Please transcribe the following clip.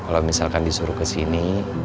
kalo misalkan disuruh kesini